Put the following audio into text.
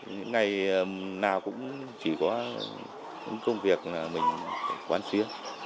những ngày nào cũng chỉ có những công việc mình quán xuyên